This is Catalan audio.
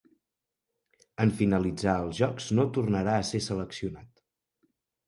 En finalitzar els Jocs no tornà a ser seleccionat.